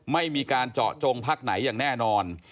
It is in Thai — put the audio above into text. ไม่มีการเจาะจงพักไหนอย่างแน่นอน